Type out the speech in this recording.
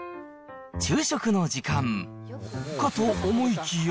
昼食の時間、かと思いきや。